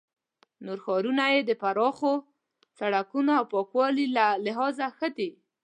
نور ښارونه یې د پراخو سړکونو او پاکوالي له لحاظه ښه دي.